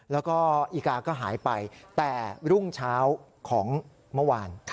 แล้วก็อีกาก็หายไปแต่รุ่งเช้าของเมื่อวาน